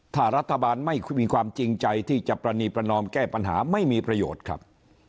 ถ้ารัฐบาลไม่มีความจริงใจที่จะปรณีประนอมแก้ปัญหาไม่มีประโยชน์ครับ